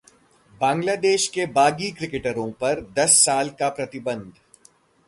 बांग्लादेश के बागी क्रिकेटरों पर दस साल का प्रतिबंध